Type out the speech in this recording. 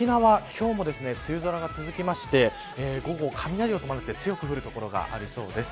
今日も梅雨空が続きまして午後、雷を伴って強く降る所がありそうです。